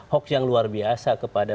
hoax yang luar biasa kepada